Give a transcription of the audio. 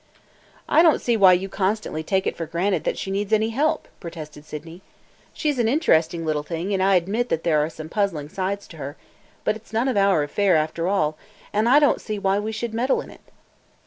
"I don't see why you constantly take it for granted that she needs any help!" protested Sydney. "She 's an interesting little thing and I admit that there are some puzzling sides to her case, but it 's none of our affairs after all, and I don't see why we should meddle in it."